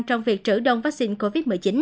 trong việc trữ đông vaccine covid một mươi chín